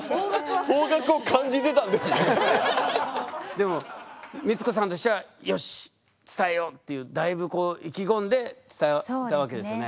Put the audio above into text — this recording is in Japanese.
でも光子さんとしてはよし伝えようっていうだいぶ意気込んで伝えたわけですよね。